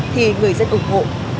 thì người dân ủng hộ